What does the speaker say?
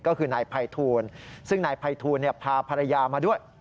ก็คือนายภัยทูลซึ่งนายภัยทูลพาภรรยามาด้วย